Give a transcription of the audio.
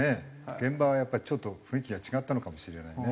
現場はやっぱりちょっと雰囲気が違ったのかもしれないね。